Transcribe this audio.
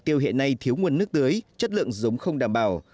tiêu hiện nay thiếu nguồn nước tưới chất lượng giống không đảm bảo